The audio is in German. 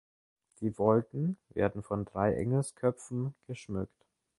Die Wolken werden von drei Engelsköpfen geschmückt.